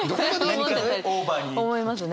思いますね。